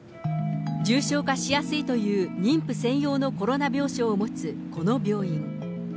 重症化しやすいという妊婦専用のコロナ病床を持つこの病院。